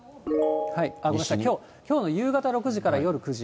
ごめんなさい、きょうの夕方６時から夜９時。